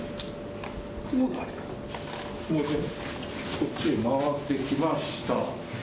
こっちへ回ってきました。